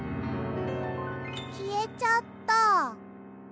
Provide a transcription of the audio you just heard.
きえちゃった。